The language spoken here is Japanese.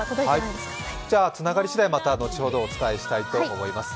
じゃあ、つながりしだい後ほどお伝えしたいと思います。